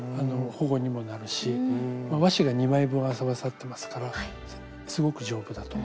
保護にもなるし和紙が２枚分合わさってますからすごく丈夫だと思います。